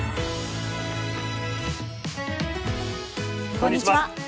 こんにちは。